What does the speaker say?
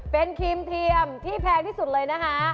เป็นครีมเทียมที่แพงที่สุดเลยนะคะ